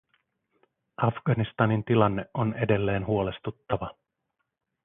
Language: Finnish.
Afganistanin tilanne on edelleen huolestuttava.